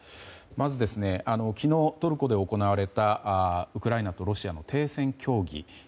まず昨日、トルコで行われたウクライナとロシアの停戦協議。